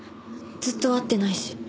ずっと会ってないし。